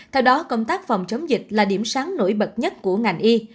theo đó công tác phòng chống dịch là điểm sáng nổi bật nhất của ngành y